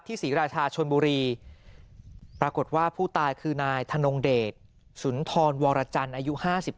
ศรีราชาชนบุรีปรากฏว่าผู้ตายคือนายธนงเดชสุนทรวรจันทร์อายุ๕๓